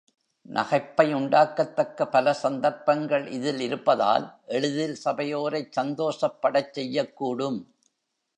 நகைப்பை உண்டாக்கத்தக்க பல சந்தர்ப்பங்கள் இதில் இருப்பதால், எளிதில் சபையோரைச் சந்தோஷப்படச் செய்யக்கூடும்.